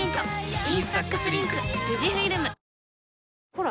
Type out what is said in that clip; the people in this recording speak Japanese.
ほら。